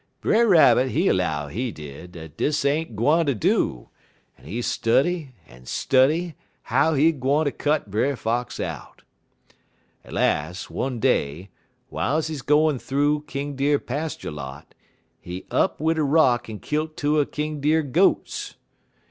Brer Rabbit, he 'low, he did, dat dis ain't gwine ter do, en he study en study how he gwine ter cut Brer Fox out. "Las', one day, w'iles he gwine thoo King Deer pastur' lot, he up wid a rock en kilt two er King Deer goats.